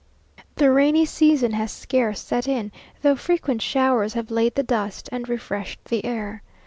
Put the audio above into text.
The rainy season has scarce set in, though frequent showers have laid the dust, and refreshed the air.